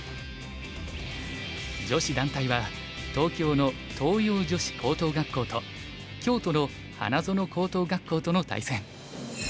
女子団体は東京の東洋女子高等学校と京都の花園高等学校との対戦。